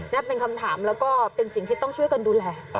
นั่นเป็นคำถามแล้วก็เป็นสิ่งที่ต้องช่วยกันดูแล